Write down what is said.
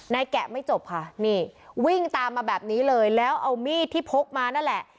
แกะไม่จบค่ะนี่วิ่งตามมาแบบนี้เลยแล้วเอามีดที่พกมานั่นแหละ